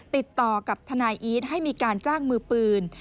ติดต่อกับทนายอีทให้มีการจ้างมือปืน